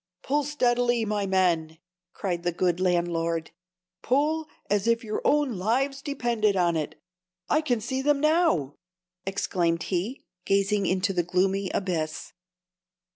"Pull steadily, my men," cried the good landlord; "but pull as if your own lives depended on it. I can see them now!" exclaimed he, gazing into the gloomy abyss.